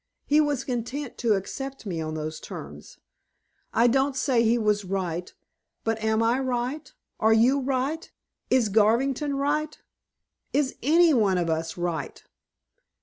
He was content to accept me on those terms. I don't say he was right; but am I right, are you right, is Garvington right? Is any one of us right?